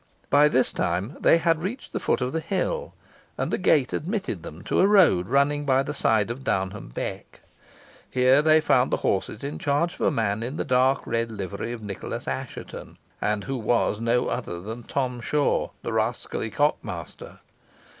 By this time they had reached the foot of the hill, and a gate admitted them to a road running by the side of Downham beck. Here they found the horses in charge of a man in the dark red livery of Nicholas Assheton, and who was no other than Tom Shaw, the rascally cock master.